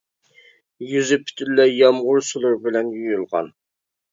يۈزى پۈتۈنلەي يامغۇر سۇلىرى بىلەن يۇيۇلغان.